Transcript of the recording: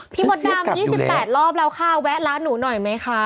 พี่หมดน้ำ๒๘รอบแล้วข้าวแวะร้านหนูหน่อยไหมคะ